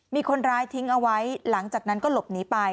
มีคนร้ายทิ้งเอาไว้หลังจากนั้นก็หลบหนีไป